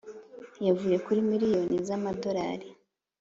Yavuye kuri miriyoni z amadorari